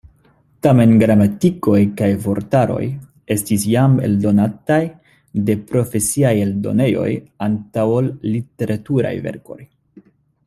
Tamen gramatikoj kaj vortaroj estis jam eldonataj de profesiaj eldonejoj antaŭ ol literaturaj verkoj.